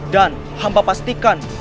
dan hamba pastikan